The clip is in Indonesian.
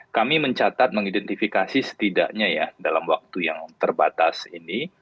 kami mencatat mengidentifikasi setidaknya ya dalam waktu yang terbatas ini